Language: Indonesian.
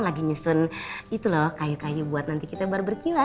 lagi nyusun kayu kayu buat nanti kita baru berkiuan